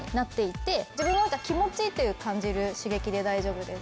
自分の中で気持ちいいって感じる刺激で大丈夫です。